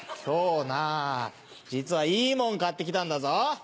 今日なぁ実はいいもん買って来たんだぞ！